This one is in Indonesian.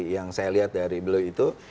yang saya lihat dari beliau itu